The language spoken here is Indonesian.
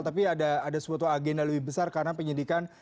tapi ada sebuah agenda lebih besar karena penyidikan